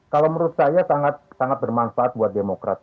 kalau menurut saya sangat bermanfaat